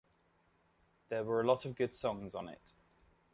There were a lot of good songs on it.